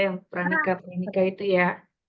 yang pernikah pernikah itu ya